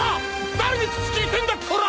誰に口利いてんだこら！